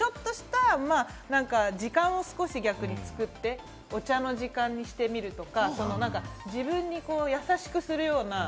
監督として時間を逆に作って、お茶の時間にしてみるとか、自分に優しくするような。